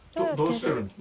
どうしてる？